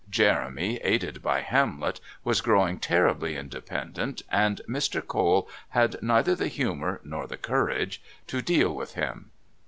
Jeremy, aided by Hamlet, was growing terribly independent, and Mr. Cole had neither the humour nor the courage to deal with him.